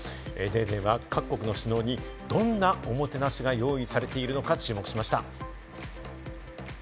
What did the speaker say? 『ＤａｙＤａｙ．』は各国の首脳にどんなおもてなしが用意されているのかに注目しました。